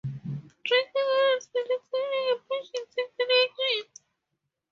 Drinking or administering a potion takes an action.